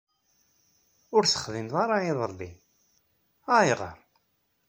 Ur texdimeḍ ara iḍelli. Ayɣer?